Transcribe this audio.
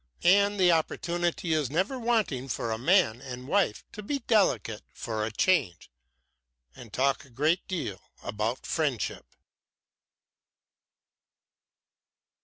And the opportunity is never wanting for a man and wife to be delicate for a change, and talk a great deal about friendship."